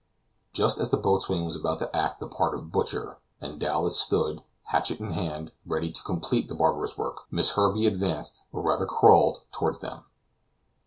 Just as the boatswain was about to act the part of butcher, and Dowlas stood, hatchet in hand, ready to complete the barbarous work, Miss Herbey advanced, or rather crawled, toward them.